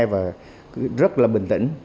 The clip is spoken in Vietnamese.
và rất là bình tĩnh